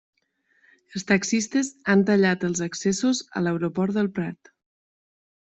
Els taxistes han tallat els accessos a l'aeroport del Prat.